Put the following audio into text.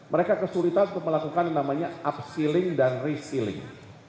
mereka kesulitan untuk melakukan yang namanya up sealing dan re sealing